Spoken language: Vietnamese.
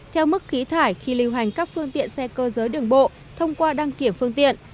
theo mức khí thải khi lưu hành các phương tiện xe cơ giới đường bộ thông qua đăng kiểm phương tiện